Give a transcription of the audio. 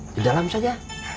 di dalam saja